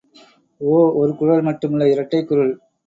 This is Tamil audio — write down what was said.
ஓ – ஒரு குரல் மட்டுமல்ல இரட்டைக் குரல்!